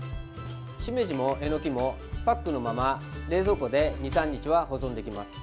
しめじも、えのきもパックのまま冷蔵庫で２３日は保存できます。